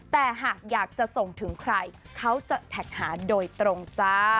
แต่หากอยากจะส่งถึงใครเขาจะแท็กหาโดยตรงจ้า